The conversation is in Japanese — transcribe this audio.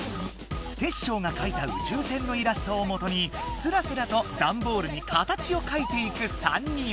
テッショウがかいた宇宙船のイラストをもとにスラスラとダンボールに形をかいていく３人。